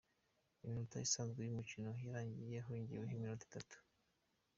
Iminota isanzwe y’umukino yarangiye hongeweho iminota itatu.